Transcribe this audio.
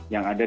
yang ada di